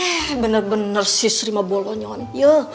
eh bener bener si sri mah bolonyonya